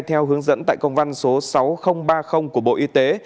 theo hướng dẫn tại công văn số sáu nghìn ba mươi của bộ y tế